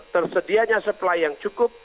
tersedianya supply yang cukup